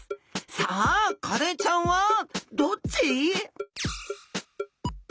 さあカレイちゃんはどっち？